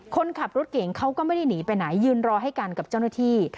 คนขับรถเก่งเขาก็ไม่ได้หนีไปไหนยืนรอให้กันกับเจ้าหน้าที่